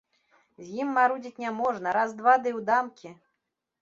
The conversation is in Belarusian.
З ім марудзіць няможна, раз, два ды ў дамкі!